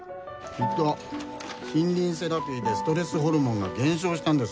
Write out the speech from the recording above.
きっと森林セラピーでストレスホルモンが減少したんですよ。